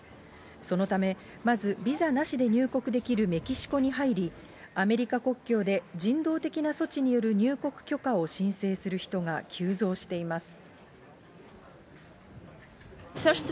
そのため、まずビザなしで入国できるメキシコに入り、アメリカ国境で人道的な措置による入国許可を申請する人が急増しています。